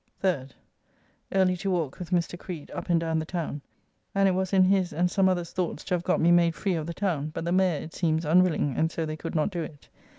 3rd. Early to walk with Mr. Creed up and down the town, and it was in his and some others' thoughts to have got me made free of the town, but the Mayor, it seems, unwilling, and so they could not do it.